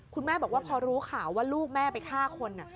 คุณแม่บอกว่าพอรู้ข่าวว่าลูกแม่ไปฆ่าคน